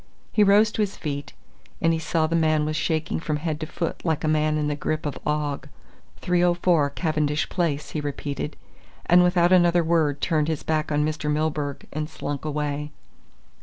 He rose to his feet, and he saw the man was shaking from head to foot like a man in the grip of ague. "304, Cavendish Place," he repeated, and without another word turned his back on Mr. Milburgh and slunk away.